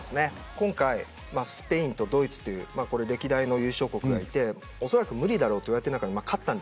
今回スペインとドイツという歴代優勝国がいておそらく無理だろうという中で勝ちました。